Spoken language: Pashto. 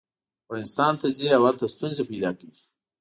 افغانستان ته ځي او هلته ستونزې پیدا کوي.